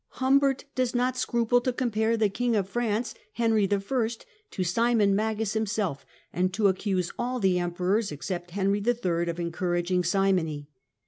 Humbert does not scruple to compare the king of France, Henry I., to Simon Magus himself, and to accuse all the Emperors, except Henry III., of encouraging simony.